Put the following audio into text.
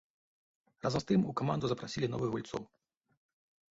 Разам з тым у каманду запрасілі новых гульцоў.